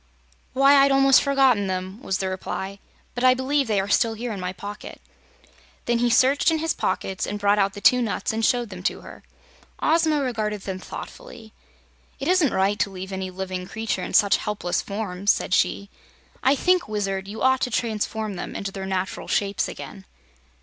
"Why, I'd almost forgotten them," was the reply; "but I believe they are still here in my pocket." Then he searched in his pockets and brought out the two nuts and showed them to her. Ozma regarded them thoughtfully. "It isn't right to leave any living creatures in such helpless forms," said she. "I think, Wizard, you ought to transform them into their natural shapes again."